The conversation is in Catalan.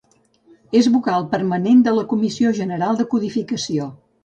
És Vocal permanent de la Comissió General de Codificació.